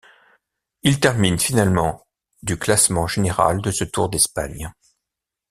Il termine finalement du classement général de ce Tour d'Espagne.